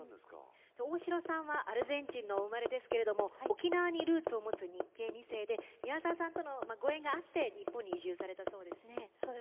大城さんはアルゼンチンのお生まれですが沖縄にルーツを持つ日系二世で宮沢さんとのご縁があって日本に移住されたそうですね。